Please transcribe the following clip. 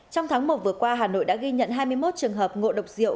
trong tháng một vừa qua hà nội đã ghi nhận hai mươi một trường hợp ngộ độc rượu